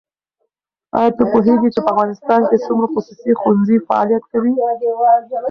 ایا ته پوهېږې چې په افغانستان کې څومره خصوصي ښوونځي فعالیت کوي؟